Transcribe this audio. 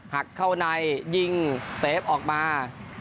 หักเข้าในยิงเซฟออกมา